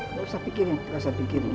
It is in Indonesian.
nggak usah pikirin nggak usah pikirin ya